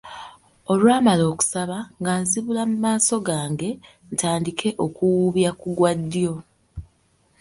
Olwamala okusaba, nga nzibula maaso gange, ntandike okuwubya ku gwa ddyo.